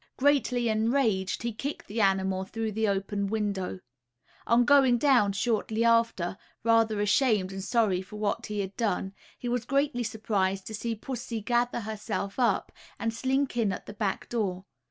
Greatly enraged, he kicked the animal through the open window. On going down shortly after, rather ashamed and sorry for what he had done, he was greatly surprised to see pussy gather herself up, and slink in at the back door.